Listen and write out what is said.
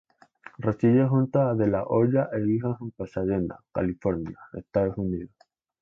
Residió junto a De La Hoya e hijos en Pasadena, California, Estados Unidos.